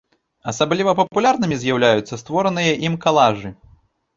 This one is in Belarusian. Асабліва папулярнымі з'яўляюцца створаныя ім калажы.